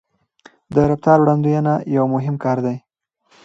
د رفتار وړاندوينه یو مهم کار دی.